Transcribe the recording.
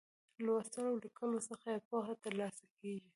له لوستلو او ليکلو څخه يې پوهه تر لاسه کیږي.